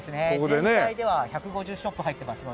全体では１５０ショップ入っていますので。